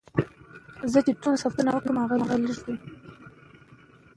موږ باید د ښوونې او روزنې په برخه کې نوښت وکړو.